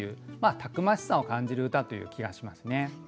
たくましさを感じる歌という気がしますね。